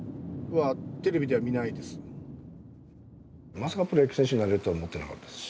まさかプロ野球選手になれるとは思ってなかったですし